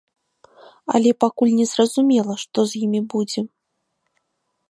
Але пакуль незразумела, што з імі будзе.